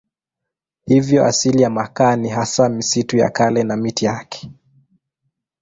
Hivyo asili ya makaa ni hasa misitu ya kale na miti yake.